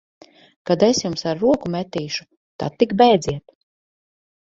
Kad es jums ar roku metīšu, tad tik bēdziet!